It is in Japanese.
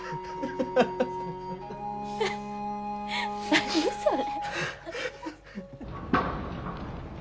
何それ。